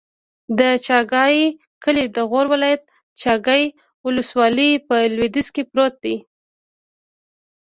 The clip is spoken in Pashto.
د چاګای کلی د غور ولایت، چاګای ولسوالي په لویدیځ کې پروت دی.